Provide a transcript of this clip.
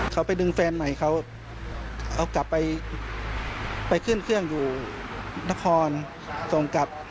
เขาไปดึงแฟนใหม่เขาเอากลับไปไปขึ้นเครื่องอยู่นครส่งกลับ